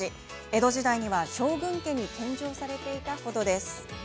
江戸時代には将軍家に献上されていた程です。